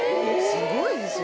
すごいですよね。